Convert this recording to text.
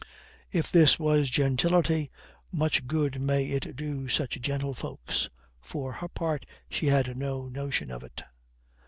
If this was gentility, much good may it do such gentlefolks; for her part she had no notion of it."